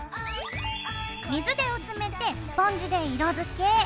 水で薄めてスポンジで色づけ。